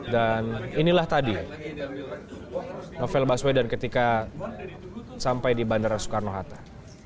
dan inilah tadi novel baswedan ketika sampai di bandara soekarno hatta